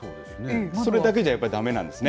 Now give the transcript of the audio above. それだけじゃやっぱりだめなんですね。